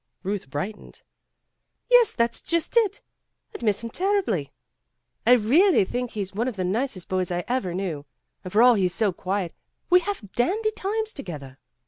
Ruth brightened. "Yes, that's just it. I'd miss him terribly. I really think he's one of the nicest boys I ever knew, and for all he 's so quiet, we have dandy times together.